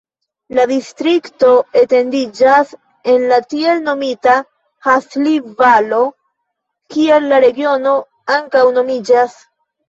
La distrikto etendiĝas en la tiel nomita Hasli-Valo, kiel la regiono ankaŭ nomiĝas.